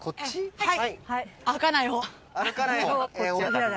はい！